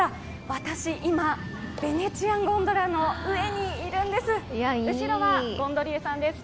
私、今、ベネチアンゴンドラの上にいるんです。